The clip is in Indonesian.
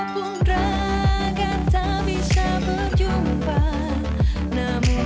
dan peluk jauh peluk jauh aku